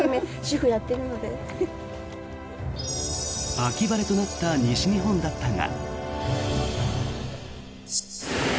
秋晴れとなった西日本だったが。